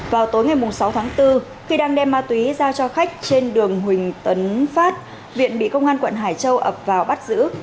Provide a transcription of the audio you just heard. vào tối ngày sáu tháng bốn khi đang đem ma túy ra cho khách trên đường huỳnh tấn phát viện bị công an quận hải châu ập vào bắt giữ